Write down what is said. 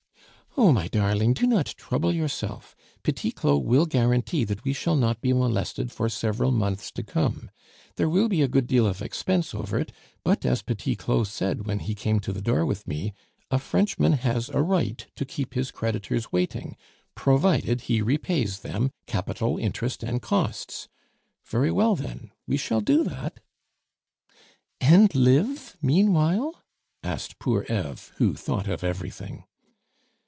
"Oh! my darling, do not trouble yourself; Petit Claud will guarantee that we shall not be molested for several months to come. There will be a good deal of expense over it; but, as Petit Claud said when he came to the door with me, 'A Frenchman has a right to keep his creditors waiting, provided he repays them capital, interest, and costs.' Very well, then, we shall do that " "And live meanwhile?" asked poor Eve, who thought of everything.